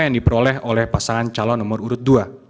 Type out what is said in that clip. yang diperoleh oleh pasangan calon nomor urut dua